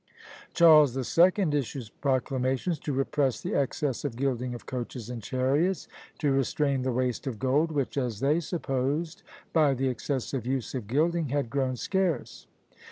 Charles the Second issued proclamations "to repress the excess of gilding of coaches and chariots," to restrain the waste of gold, which, as they supposed, by the excessive use of gilding, had grown scarce.